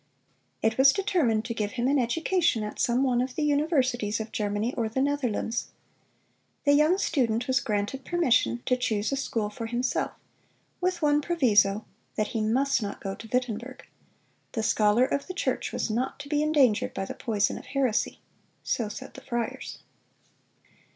It was determined to give him an education at some one of the universities of Germany or the Netherlands. The young student was granted permission to choose a school for himself, with one proviso, that he must not go to Wittenberg. The scholar of the church was not to be endangered by the poison of heresy. So said the friars.